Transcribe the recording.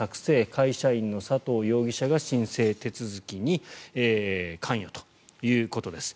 会社員の佐藤容疑者が申請手続きに関与ということです。